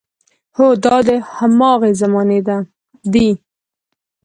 هو، دا د هماغې زمانې دی.